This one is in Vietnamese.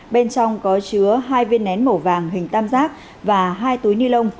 bên trong có chứa hai viên nén màu vàng hình tam giác và hai túi ni lông